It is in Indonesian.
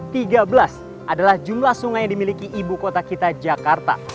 tiga belas adalah jumlah sungai yang dimiliki ibu kota kita jakarta